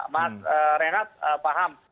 mas rengat paham